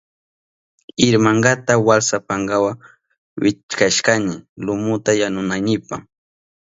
Irmankata walsa pankawa wichkashkani lumuta yanunaynipa.